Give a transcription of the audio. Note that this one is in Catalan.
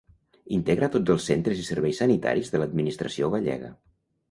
Integra tots els centres i serveis sanitaris de l'administració gallega.